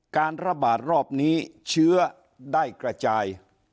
การระบาดรอบนี้เชื้อได้กระจาย